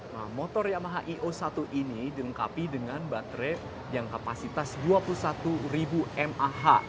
nah motor yamaha io satu ini dilengkapi dengan baterai yang kapasitas dua puluh satu ribu mah